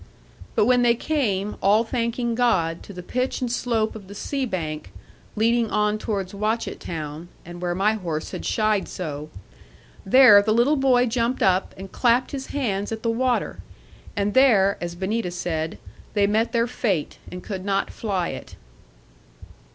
But when they came, all thanking God, to the pitch and slope of the sea bank, leading on towards Watchett town, and where my horse had shied so, there the little boy jumped up, and clapped his hands at the water; and there (as Benita said) they met their fate, and could not fly it.